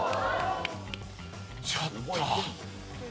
ちょっと。